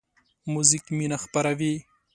موزیک مینه خپروي.